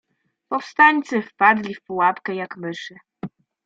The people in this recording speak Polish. "Powstańcy wpadli w pułapkę jak myszy."